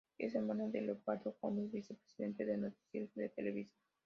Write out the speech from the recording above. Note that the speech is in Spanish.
Es hermana de Leopoldo Gómez, vicepresidente de Noticieros de Televisa.